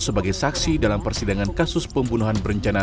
sebagai saksi dalam persidangan kasus pembunuhan berencana